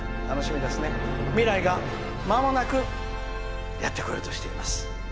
楽しみですね、未来がまもなくやってこようとしています。